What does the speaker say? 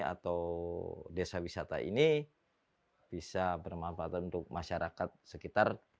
atau desa wisata ini bisa bermanfaat untuk masyarakat sekitar